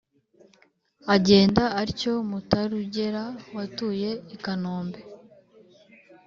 Agenda atyo Mutarugera Watuye i Kanombe